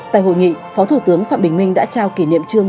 tại hội nghị phó thủ tướng phạm bình minh đã trao kỷ niệm trương